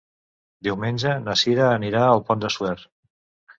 Diumenge na Cira anirà al Pont de Suert.